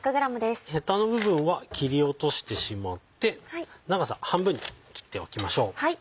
ヘタの部分は切り落としてしまって長さ半分に切っておきましょう。